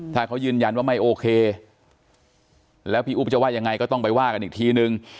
ถ้าเขายืนยันว่าไม่โอเคแล้วพี่อุ๊บจะว่ายังไงก็ต้องไปว่ากันอีกทีนึง